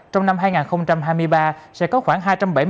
trong năm hai nghìn hai mươi ba sẽ có khoảng